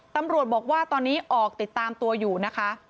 ตำรวจบอกว่าตอนนี้ออกติดตามตัวอยู่นะคะ